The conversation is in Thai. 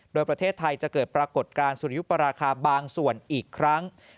โดยประเทศไทยจะเกิดปรากฏการณ์สุริยุปราคาบางส่วนอีกครั้ง